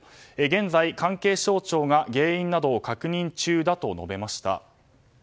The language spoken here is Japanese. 現在、関係省庁が原因などを確認中だと述べました。